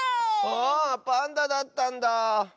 あパンダだったんだ。